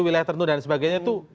wilayah tertentu dan sebagainya itu